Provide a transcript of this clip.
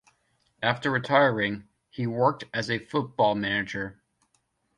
After retiring, he worked as a football manager.